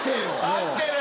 合ってる。